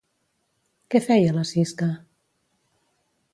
Què feia la Sisca?